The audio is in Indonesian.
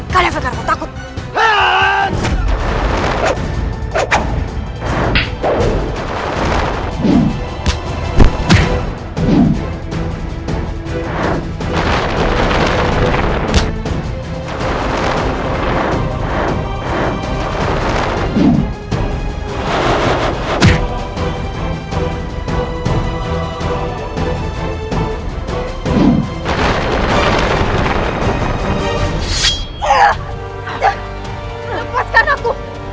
kalian pikir aku takut